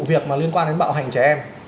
việc mà liên quan đến bạo hành trẻ em